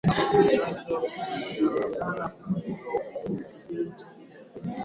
Jaji alikabiliwa na maswali kwa saa kadhaa